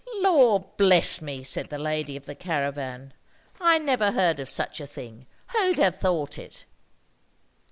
"Lord bless me!" said the lady of the caravan. "I never heard of such a thing. Who'd have thought it?"